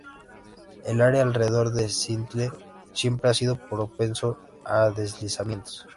El área alrededor de Thistle siempre ha sido propenso a deslizamientos.